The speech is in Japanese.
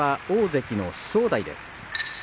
大関の正代です。